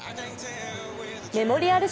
メモリアル